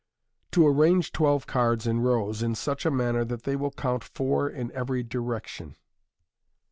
To Arrange Twblvb Cards is Rows, in such a manner THAT THEY WILL COUNT FOUR IN 1VERY DIRECTION.